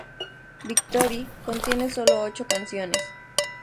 Victory contiene "sólo" ocho canciones.